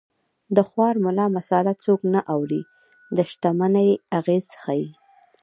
د خوار ملا مساله څوک نه اوري د شتمنۍ اغېز ښيي